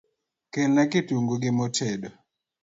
Kelna kitungu gi mo tedo